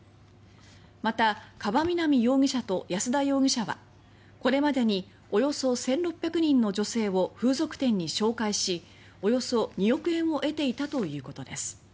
また、川南容疑者と安田容疑者はこれまでにおよそ１６００人の女性を風俗店に紹介しおよそ２億円を得ていたということです。